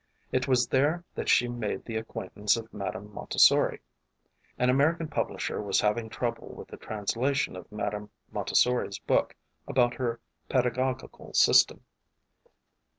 It was there that she made the acquaintance of Madame Montessori. An American publisher was having trouble with the trans lation of Madame Montessori's book about her peda gogical system.